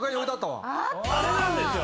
あれなんですよ。